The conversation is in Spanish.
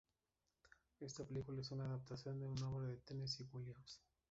Está película es una adaptación de una obra de Tennesse Williams.